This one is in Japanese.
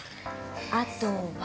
あとは。